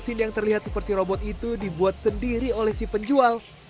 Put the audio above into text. dan robot yang terlihat seperti robot itu dibuat sendiri oleh si penjual